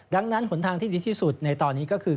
ดังนั้นหนทางที่ดีที่สุดในตอนนี้ก็คือ